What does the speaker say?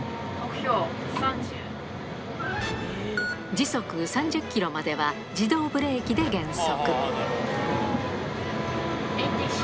時速３０ｋｍまでは自動ブレーキで減速